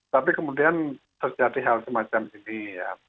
tapi kemudian terjadi hal semacam ini ya